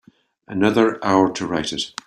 Another hour to write it.